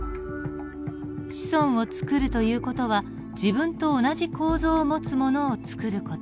子孫をつくるという事は自分と同じ構造を持つものをつくる事。